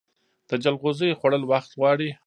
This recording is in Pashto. د جلغوزیو خوړل وخت غواړي.